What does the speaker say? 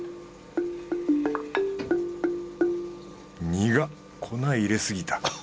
にがっ粉入れすぎた